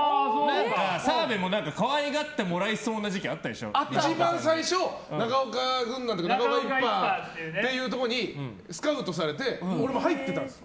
澤部も可愛がってもらえそうな時期一番最初、中岡軍団というか中岡一派というところにスカウトされて俺も入ってたんです。